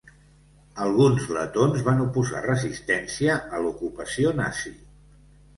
Alguns letons van oposar resistència a l'ocupació nazi.